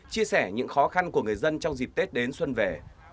chia sẻ những khó khăn của người dân trong dịp tết đến xuân về